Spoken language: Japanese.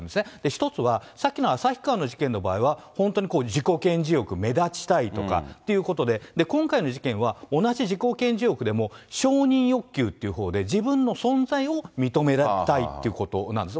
一つは、さっきの旭川の事件の場合は、本当に自己顕示欲、目立ちたいとかっていうことで、今回の事件は、同じ自己顕示欲でも、承認欲求っていうほうで自分の存在を認めたいということなんです。